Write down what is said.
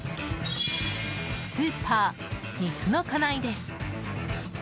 スーパー肉の金井です。